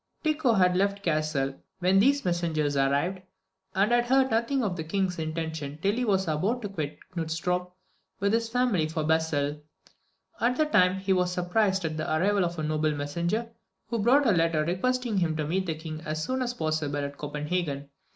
Tycho had left Cassel when these messengers arrived, and had heard nothing of the King's intentions till he was about to quit Knudstorp with his family for Basle. At this time he was surprised at the arrival of a noble messenger, who brought a letter requesting him to meet the King as soon as possible at Copenhagen.